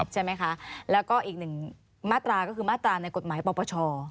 ใช่ไหมคะแล้วก็อีกหนึ่งมาตราก็คือมาตราในกฎหมายปปช